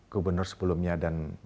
gubernur sebelumnya dan